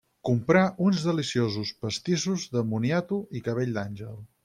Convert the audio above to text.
Comprà uns deliciosos pastissos de moniato i cabell d'àngel.